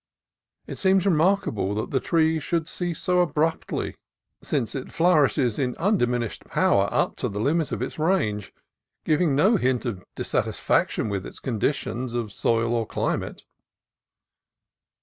It seems remark able that the tree should cease so abruptly, since it 310 CALIFORNIA COAST TRAILS flourishes in undiminished power up to the limit of its range, giving no hint of dissatisfaction with its conditions of soil or climate.